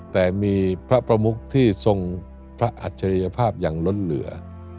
แต่มีพระประมุกที่ทรงพระอัจฉริยภาพอย่างล้นเหลือ